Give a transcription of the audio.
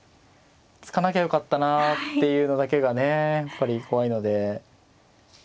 突かなきゃよかったなっていうのだけがねやっぱり怖いので。